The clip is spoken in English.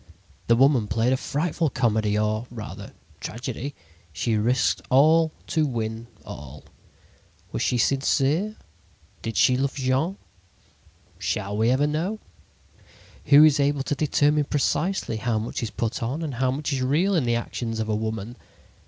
The little woman played a frightful comedy, or, rather, tragedy. She risked all to win all. Was she sincere? Did she love Jean? Shall we ever know? Who is able to determine precisely how much is put on and how much is real in the actions of a woman?